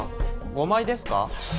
５枚ですか？